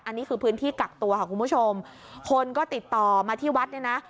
อันนี้คือพื้นที่กักตัวค่ะคุณผู้ชมคนก็ติดต่อมาที่วัดเนี่ยนะ